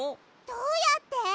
どうやって？